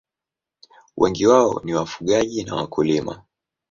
Wengi wao ni wafugaji na wakulima.